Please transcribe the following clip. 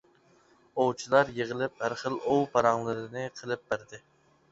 ئوۋچىلار يىغىلىپ ھەر خىل ئوۋ پاراڭلىرىنى قىلىپ بەردى.